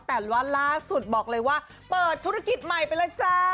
แต่ว่าล่าสุดบอกเลยว่าเปิดธุรกิจใหม่ไปแล้วจ้า